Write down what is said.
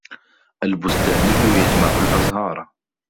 الْبُسْتانِيُّ يَجْمَعُ الْأَزْهارَ.